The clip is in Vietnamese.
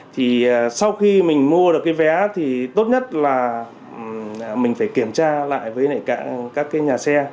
thì sau khi mình mua được cái vé thì tốt nhất là mình phải kiểm tra lại với các cái nhà xe